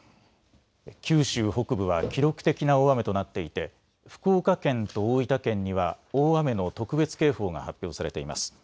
九州北部は記録的な大雨となっていて福岡県と大分県には大雨の特別警報が発表されています。